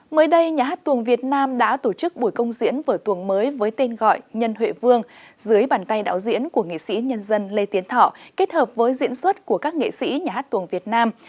mới đây nhà hát tuồng việt nam đã tổ chức buổi công diễn vở tuồng mới với tên gọi nhân huệ vương dưới bàn tay đạo diễn của nghệ sĩ nhân dân lê tiến thọ kết hợp với diễn xuất của các nghệ sĩ nhà hát tuồng việt nam